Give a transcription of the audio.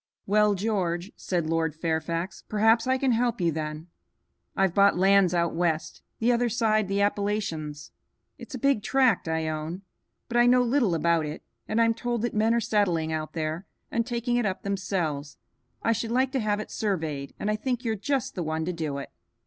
"Well, George," said Lord Fairfax, "perhaps I can help you then. I've bought lands out west, the other side the Appalachians. It's a big tract I own, but I know little about it, and I'm told that men are settling out there and taking it up themselves. I should like to have it surveyed, and I think you're just the one to do it."